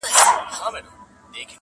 پاچاهان د يوه بل سيمو ته غله وه!!